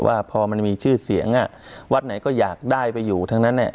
ว่าพอมันมีชื่อเสียงวัดไหนก็อยากได้ไปอยู่ทั้งนั้น